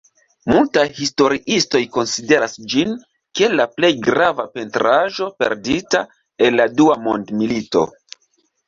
Multaj historiistoj konsideras ĝin kiel la plej grava pentraĵo perdita el la Dua Mondmilito.